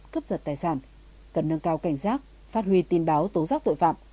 cướp giật tài sản cần nâng cao cảnh giác phát huy tin báo tố giác tội phạm